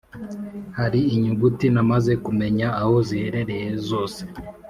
Hari inyuguti namaze kumenya aho ziherereye zose